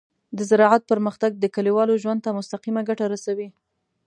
د زراعت پرمختګ د کليوالو ژوند ته مستقیمه ګټه رسوي.